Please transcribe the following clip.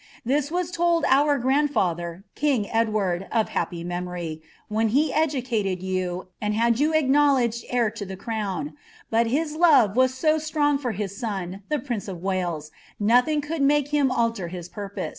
This »« lM our grandfather, king Edward, of happy memory, wlieit he educated y< and had you acknowledged heir lo the crown ; but his love wv strong for his son, the prince of AVales, nothing rould make bim tbn his purpuw.